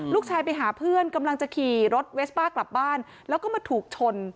ไปหาเพื่อนกำลังจะขี่รถเวสป้ากลับบ้านแล้วก็มาถูกชน